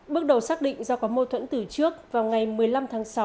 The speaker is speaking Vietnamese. bước đầu xác định do có mâu thuẫn từ trước vào ngày một mươi năm tháng sáu